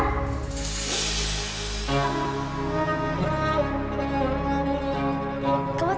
tidak ada di rumah ini